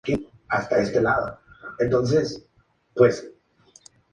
Su música mezcla el rock and roll con cuarteto.